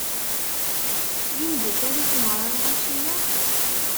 D imdukal-ik merra lɣaci-ya?